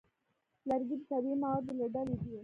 لرګی د طبیعي موادو له ډلې دی.